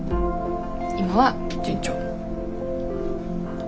今は順調。